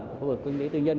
của khu vực kinh tế tư nhân